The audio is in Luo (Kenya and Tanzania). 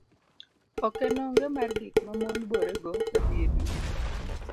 ok en onge mar gik mamon bore go ka dhiedwe